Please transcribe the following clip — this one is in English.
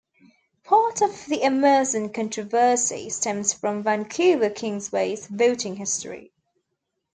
Part of the Emerson controversy stems from Vancouver Kingsway's voting history.